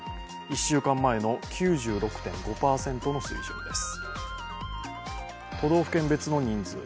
１週間前の９６．５％の水準です。